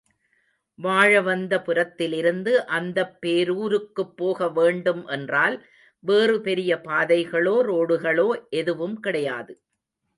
வாழவந்தபுரத்திலிருந்து அந்தப் பேரூருக்குப் போகவேண்டும் என்றால், வேறு பெரிய பாதைகளோ, ரோடுகளோ எதுவும் கிடையாது.